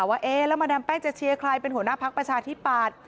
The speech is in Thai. ว่าเอ๊ะแล้วมาดามแป้งจะเชียร์ใครเป็นหัวหน้าพักประชาธิปัตย์